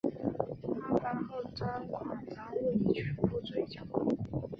案发后赃款赃物已全部追缴。